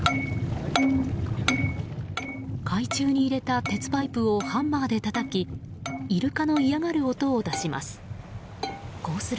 海中に入れた鉄パイプをハンマーでたたきイルカの嫌がる音を出します。